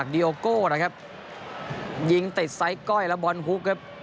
ดีโอโก้นะครับยิงติดไซส์ก้อยแล้วบอลฮุกครับ